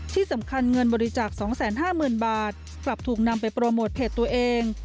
ที่สำคัญเงินบริจาค๒๕๐๐๐บาทกลับถูกนำไปโปรโมทเพจตัวเอง